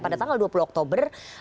pada tanggal dua puluh oktober